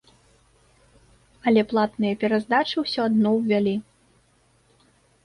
Але платныя пераздачы ўсё адно ўвялі.